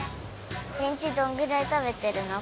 １日どんぐらい食べてるの？